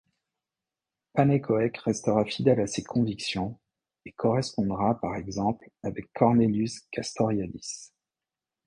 Pannekoek restera fidèle à ses convictions et correspondra par exemple avec Cornelius Castoriadis.